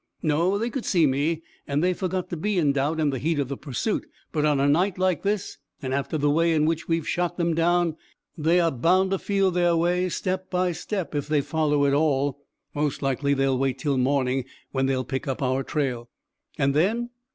"No; they could see me, and they forgot to be in doubt in the heat of the pursuit. But on a night like this, and after the way in which we have shot them down, they are bound to feel their way step by step if they follow at all. Most likely they'll wait till morning, when they'll pick up our trail." "And then?"